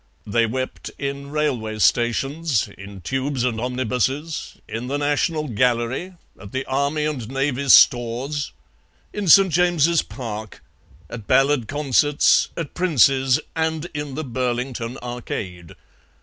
They wept in railway stations, in tubes and omnibuses, in the National Gallery, at the Army and Navy Stores, in St. James's Park, at ballad concerts, at Prince's and in the Burlington Arcade.